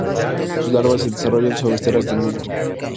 Sus larvas se desarrollan sobre esteras de musgo.